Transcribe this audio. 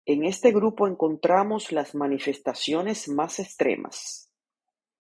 En este grupo encontramos las manifestaciones más extremas.